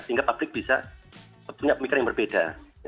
sehingga publik bisa punya pemikiran yang berbeda